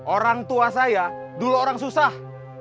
orang tua saya dulu orang susah